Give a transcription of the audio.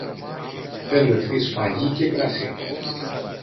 Θέλω ευθύς φαγί και κρασί.